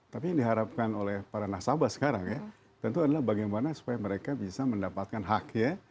tapi yang diharapkan oleh para nasabah sekarang ya tentu adalah bagaimana supaya mereka bisa mendapatkan hak ya